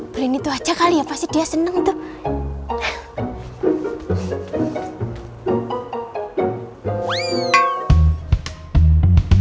berinit aja kali ya pasti dia seneng tuh